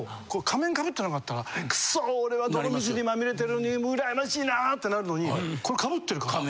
仮面被ってなかったから「クソ！俺は泥水にまみれてるのにうらやましいな！」ってなるのに被ってるから。